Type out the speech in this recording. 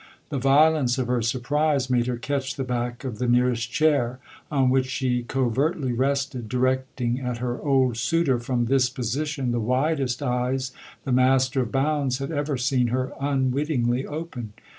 The violence of her surprise made her catch the back of the nearest chair, on which she covertly rested, directing at her old suitor from this position the widest eyes the master of Bounds had ever seen her unwittingly open.